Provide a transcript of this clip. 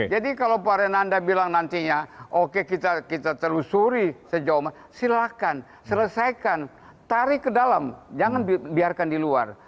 jadi kalau pak renanda bilang nantinya oke kita terusuri sejauh silahkan selesaikan tarik ke dalam jangan biarkan di luar